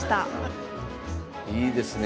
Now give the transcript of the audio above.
いいですね